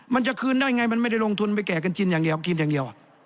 มันจะคืนได้ไงมันไม่ได้ลงทุนไปแก่กันจินอย่างเดียว